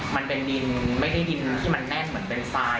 มันเป็นดินไม่ได้ดินที่มันแน่นเหมือนเป็นทราย